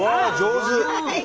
上手！